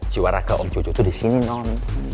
jiwa raga om jojo tuh di sini non